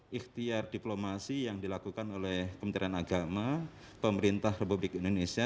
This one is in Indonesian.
ikhtiar diplomasi yang dilakukan oleh kementerian agama pemerintah republik indonesia